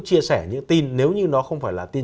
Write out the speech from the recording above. chia sẻ những tin nếu như nó không phải là tin